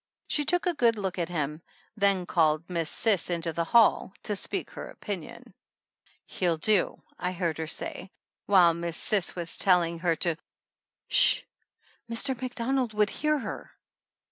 She took a good look at him, then called Miss Cis into the hall to speak her opinion. "He'll do" I heard her saying, while Miss Cis 128 THE ANNALS OF ANN was telling her to "s s sh, Mr. MacDonald would hear her."